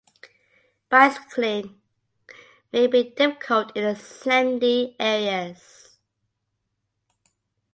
Bicycling may be difficult in the sandy areas.